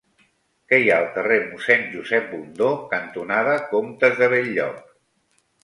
Què hi ha al carrer Mossèn Josep Bundó cantonada Comtes de Bell-lloc?